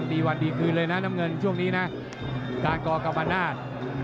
ดีวันดีคืนเลยนะน้ำเงินช่วงนี้นะการกกรรมนาศ